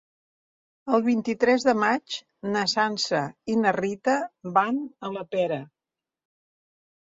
El vint-i-tres de maig na Sança i na Rita van a la Pera.